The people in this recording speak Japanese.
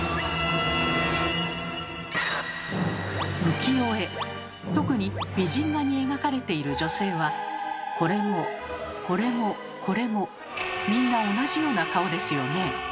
浮世絵特に美人画に描かれている女性はこれもこれもこれもみんな同じような顔ですよね。